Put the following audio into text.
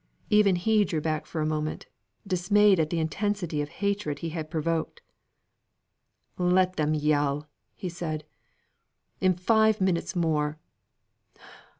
Even he drew back for a moment, dismayed at the intensity of hatred he had provoked. "Let them yell!" said he. "In five minutes more